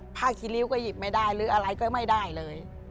คีริ้วก็หยิบไม่ได้หรืออะไรก็ไม่ได้เลย